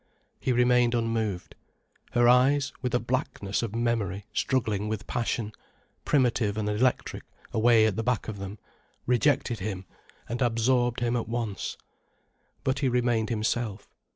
He remained unmoved. Her eyes, with a blackness of memory struggling with passion, primitive and electric away at the back of them, rejected him and absorbed him at once. But he remained himself.